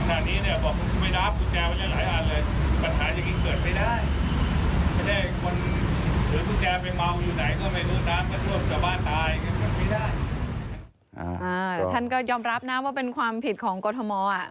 แต่ท่านก็ยอมรับนะว่าเป็นความผิดของกรทม